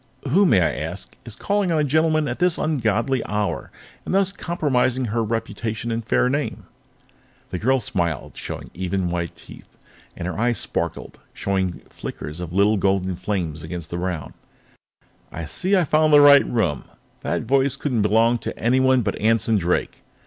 "Who, may I ask, is calling on a gentleman at this ungodly hour, and thus compromising her reputation and fair name?" The girl smiled, showing even, white teeth, and her eyes sparkled, showing flickers of little golden flames against the brown. "I see I've found the right room," she said. "That voice couldn't belong to anyone but Anson Drake."